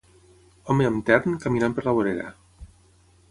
Home amb tern caminant per la vorera.